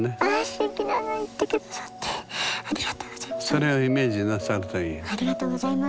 それをイメージなさるといい。